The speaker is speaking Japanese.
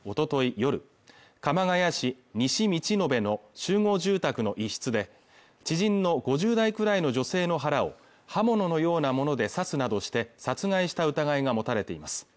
夜鎌ケ谷市西道野辺の集合住宅の一室で知人の５０代くらいの女性の腹を刃物のようなもので刺すなどして殺害した疑いが持たれています